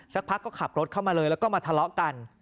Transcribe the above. สักพักก็ขับรถเข้ามาเลยแล้วก็มาทะเลาะกัน